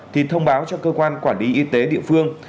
thì thông báo cho cơ quan quản lý y tế địa phương